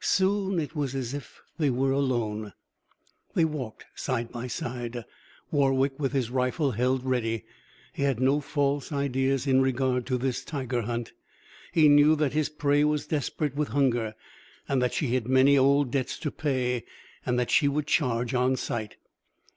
Soon it was as if they were alone. They walked side by side, Warwick with his rifle held ready. He had no false ideas in regard to this tiger hunt. He knew that his prey was desperate with hunger, that she had many old debts to pay, and that she would charge on sight.